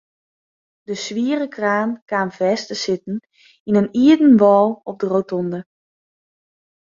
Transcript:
De swiere kraan kaam fêst te sitten yn in ierden wâl op de rotonde.